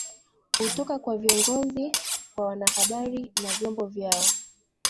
kutoka kwa viongozi kwa wanahabari na vyombo vyao